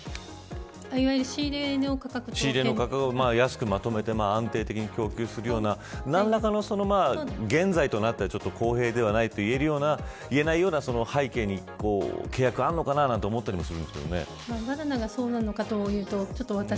いわゆる仕入れ値の価格安くまとめて安定的に供給するような何らかの現在となっては公平ではないと言えるような言えないような背景に契約があるのかなと思ったりもします。